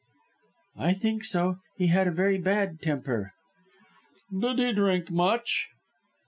"I think so: he had a very bad temper." "Did he drink much?"